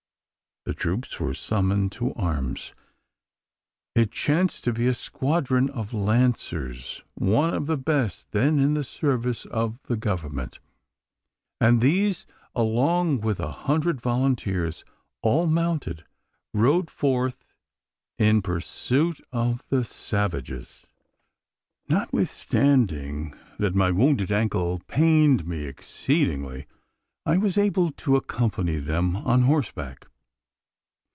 The troops were summoned to arms. It chanced to be a squadron of lancers one of the best then in the service of the government and these, along with about a hundred volunteers, all mounted, rode forth in pursuit of the savages. Notwithstanding that my wounded ankle pained me exceedingly, I was able to accompany them on horseback.